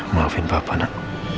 maafin papa nak